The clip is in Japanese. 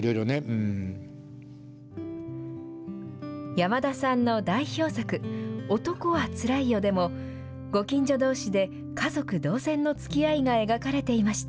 山田さんの代表作男はつらいよでもご近所どうしで家族同然のつきあいが描かれていました。